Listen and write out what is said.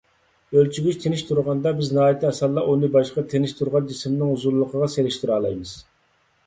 ئۆلچىگۈچ تىنچ تۇرغاندا، بىز ناھايىتى ئاسانلا ئۇنى باشقا تىنچ تۇرغان جىسىمنىڭ ئۇزۇنلۇقىغا سېلىشتۇرالايمىز.